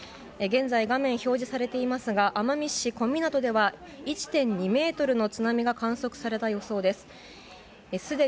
現在、画面表示されていますが奄美市小湊では１．２ｍの津波が観測された予想です。